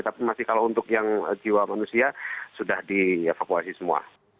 tapi masih kalau untuk yang jiwa manusia sudah dievakuasi semua